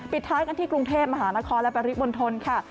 ท้ายกันที่กรุงเทพมหานครและปริมณฑลค่ะ